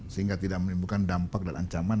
sehingga tidak menimbulkan dampak dan ancaman